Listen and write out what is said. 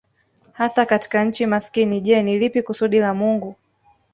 hasa katika nchi masikini Je ni lipi kusudi la Mungu